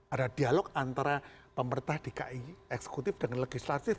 ada dialog antara pemerintah dki eksekutif dengan legislatif